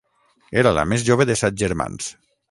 Era la més jove de set germans.